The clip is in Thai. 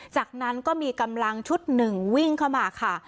จากนั้นก็มีกำลังชุดหนึ่งวิ่งเข้ามาค่ะ